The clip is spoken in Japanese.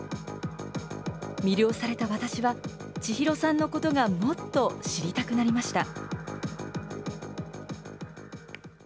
魅了された私は、千尋さんのことがもっと知りたくなりました。